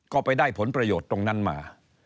ก็ไปได้ผลประโยชน์ตรงนั้นมา